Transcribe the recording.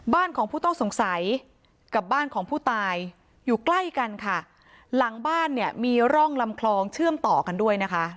บ้านของผู้ต้องสงสัยกับบ้านของผู้ตายอยู่ใกล้กันค่ะหลังบ้านเนี่ยมีร่องลำคลองเชื่อมต่อกันด้วยนะคะ